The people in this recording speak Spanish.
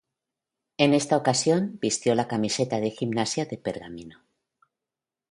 En esta ocasión vistió la camiseta de Gimnasia de Pergamino.